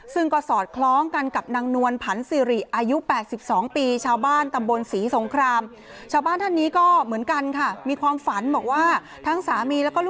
ซึ่งก็สอดคล้องกันกับนางนวลผันสิริอายุ๘๒ปีชาวบ้านตำบลศรีสงคราม